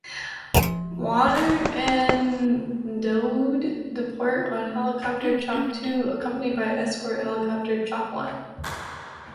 Warner and Daoud depart on helicopter "Chalk Two" accompanied by escort helicopter "Chalk One".